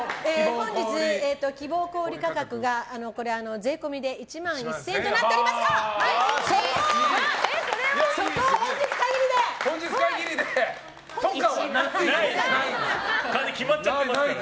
本日、希望小売価格が税込みで１万１０００円となっておりますがとかはないですから。